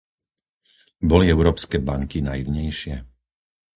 Boli európske banky naivnejšie?